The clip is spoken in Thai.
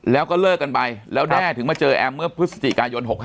แล้วก็เลิกกันไปแล้วแด้ถึงมาเจอแอมเมื่อพฤศจิกายน๖๕